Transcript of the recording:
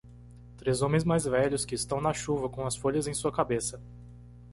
Três homens mais velhos que estão na chuva com as folhas em sua cabeça.